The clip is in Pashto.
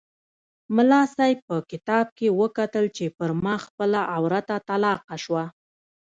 ملا صاحب په کتاب کې وکتل چې پر ما خپله عورته طلاقه شوه.